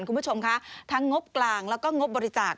คุณผู้ชมคะทั้งงบกลางแล้วก็งบบริจาค